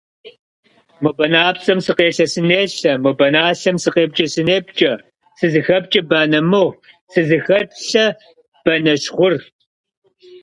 Мо банапцӏэм сыкъелъэ-сынелъэ, мо баналъэм сыкъепкӏэ-сынепкӏэ, сызыхэпкӏэ банэ мыгъу, сызыхэлъэ банэщ гъур.